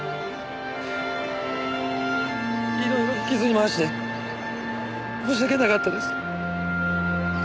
色々引きずり回して申し訳なかったです。